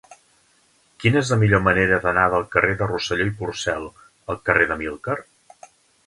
Quina és la millor manera d'anar del carrer de Rosselló i Porcel al carrer d'Amílcar?